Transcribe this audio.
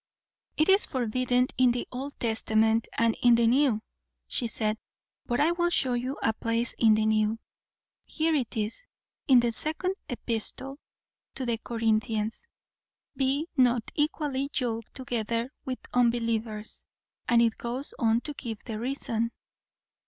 "It is forbidden in the Old Testament and in the New," she said; "but I will show you a place in the New. Here it is in the second Epistle to the Corinthians 'Be not unequally yoked together with unbelievers;' and it goes on to give the reason."